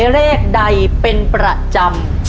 ซ้ำเสื้อหมายเลขใดเป็นประจำ